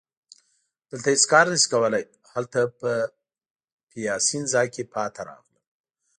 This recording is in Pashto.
دلته هیڅ کار نه شي کولای، هلته په پیاسینزا کي پاتې راغلم.